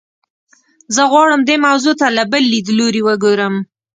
زه غواړم دې موضوع ته له بل لیدلوري وګورم.